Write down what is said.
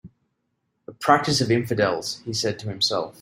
"A practice of infidels," he said to himself.